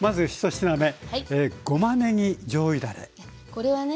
これはね